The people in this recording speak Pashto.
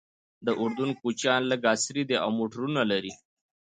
د اردن کوچیان لږ عصري دي او موټرونه لري.